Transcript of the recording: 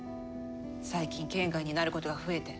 最近圏外になることが増えて。